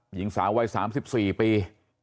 หญิงสาววัย๓๔ปี